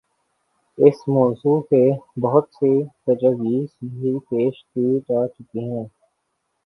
اس موضوع پہ بہت سی تجاویز بھی پیش کی جا چکی ہیں۔